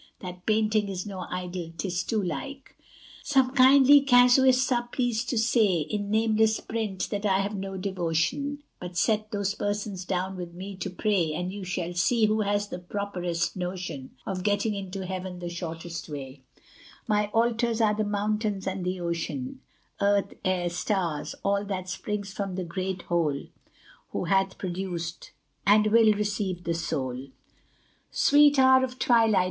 That painting is no idol 'tis too like. Some kindly casuists are pleased to say, In nameless print, that I have no devotion; But set those persons down with me to pray, And you shall see who has the properest notion Of getting into heaven the shortest way: My altars are the mountains and the ocean, Earth, air, stars all that springs from the great Whole, Who hath produced and will receive the soul. Sweet hour of twilight!